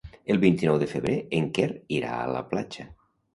El vint-i-nou de febrer en Quer irà a la platja.